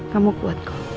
kamu kuat kok